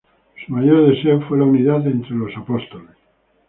Su mayor deseo fue la unidad entre los Apóstoles.